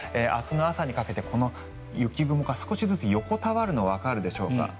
明日の朝にかけてこの雪雲が少しずつ横たわるのがわかるでしょうか。